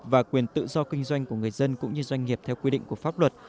và quyền tự do kinh doanh của người dân cũng như doanh nghiệp theo quy định của pháp luật